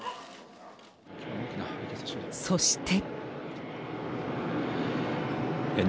そして。